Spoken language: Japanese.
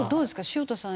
潮田さん